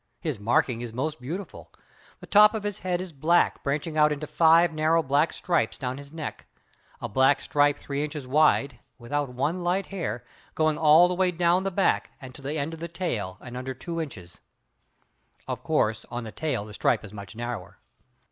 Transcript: His marking is most beautiful. The top of his head is black branching out into five narrow black stripes down his neck. A black stripe three inches wide (without one light hair) going all the way down the back and to the end of the tail and under two inches; of course, on the tail the stripe is much narrower.